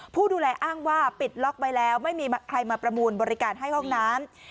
ผู้ดูแลอ้างว่าปิดล็อกไว้แล้วไม่มีใครมาประมูลบริการให้ห้องน้ำ